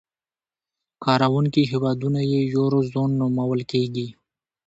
کاروونکي هېوادونه یې یورو زون نومول کېږي.